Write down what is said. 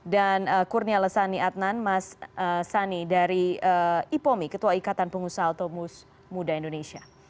dan kurnia lesani adnan mas sani dari ipomi ketua ikatan pengusaha otomus muda indonesia